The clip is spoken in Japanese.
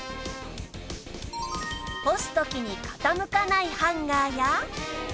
干す時に傾かないハンガーや